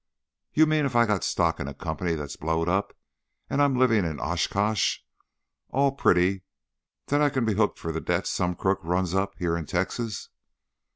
"You mean if I got stock in a company that's blowed up, and I'm living in Oshkosh, all pretty, that I can be hooked for the debts some crook runs up here in Texas?"